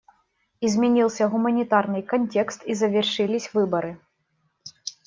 Изменился гуманитарный контекст, и завершились выборы.